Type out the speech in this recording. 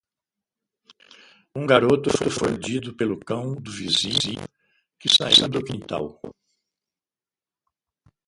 Um garoto foi mordido pelo cão do vizinho, que saiu do quintal.